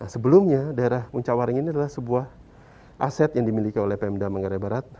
sebelumnya daerah puncak waringin ini adalah sebuah aset yang dimiliki oleh pmd banggarabarat